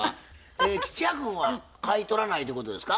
え吉弥君は買い取らないということですか？